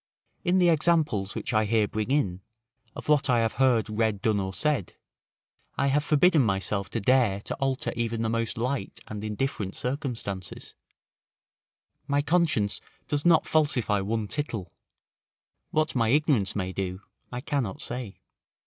In the examples which I here bring in, of what I have heard, read, done, or said, I have forbidden myself to dare to alter even the most light and indifferent circumstances; my conscience does not falsify one tittle; what my ignorance may do, I cannot say.